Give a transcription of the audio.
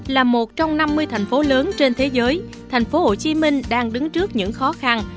là một trong năm mươi thành phố lớn trên thế giới thành phố hồ chí minh đang đứng trước những khó khăn